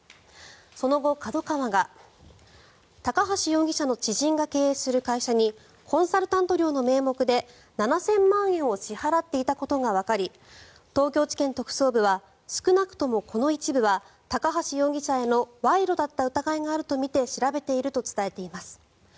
その後、ＫＡＤＯＫＡＷＡが高橋容疑者の知人が経営する会社にコンサルタント料の名目で７０００万円を支払っていたことがわかり東京地検特捜部は少なくとも、この一部は高橋容疑者への賄賂だった疑いがあるとみて調べていると伝えています。